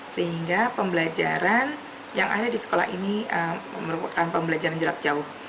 sehingga pembelajaran yang ada di sekolah ini merupakan pembelajaran jarak jauh